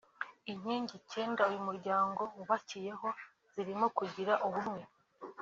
Inkingi icyenda uyu muryango wubakiyeho zirimo kugira ubumwe